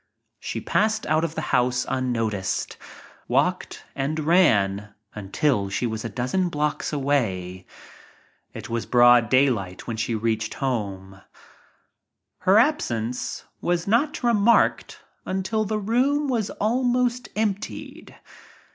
She passed out of the house unnoticed, walked and ran until she was a dozen blocks away. It was broad daylight she reached home. Her absence was not remarked until the room was almost emptied.